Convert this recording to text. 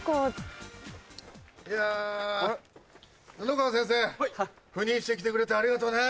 布川先生赴任してきてくれてありがとうね。